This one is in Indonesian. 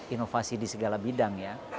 inovasi di segala bidang ya